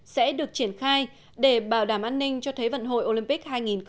sẽ được triển khai để bảo đảm an ninh cho thế vận hội olympic hai nghìn một mươi sáu